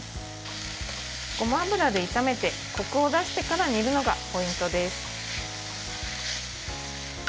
ごま油で炒めてこくを出してから煮るのがポイントです。